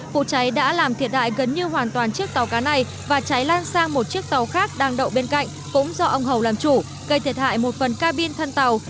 vụ cháy đã làm thiệt hại gần như hoàn toàn chiếc tàu cá này và cháy lan sang một chiếc tàu khác đang đậu bên cạnh cũng do ông hầu làm chủ gây thiệt hại một phần ca bin thân tàu